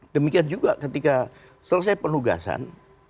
demikian juga ketika selesai penugasan